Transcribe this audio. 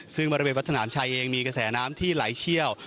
ซึ่งบริเวณวัดสนามชัยเองมีกระแสน้ำที่ไหลเชี่ยว